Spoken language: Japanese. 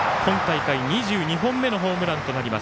今大会、２２本目のホームランとなります